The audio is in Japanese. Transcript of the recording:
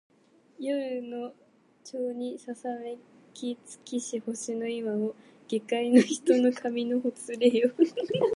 夜の帳ちやうにささめき尽きし星の今を下界げかいの人の髪のほつれよ